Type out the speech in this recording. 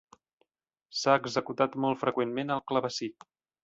S'ha executat molt freqüentment al clavecí.